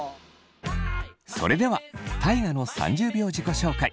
それでは大我の３０秒自己紹介。